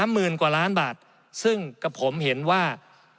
หมื่นกว่าล้านบาทซึ่งกับผมเห็นว่า